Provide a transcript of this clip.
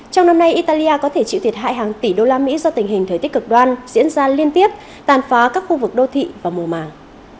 trong năm nay italia có thể chịu thiệt hại hàng tỷ đô la mỹ do tình hình thời tiết cực đoan diễn ra liên tiếp tàn phá các khu vực đô thị và mùa màng